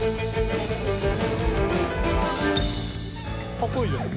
かっこいいじゃん。